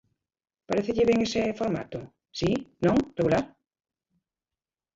¿Parécelle ben ese formato?, ¿si?, ¿non?, ¿regular?